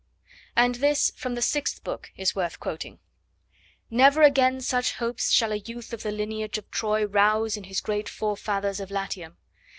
And this from the sixth book is worth quoting: 'Never again such hopes shall a youth of the lineage of Troy Rouse in his great forefathers of Latium!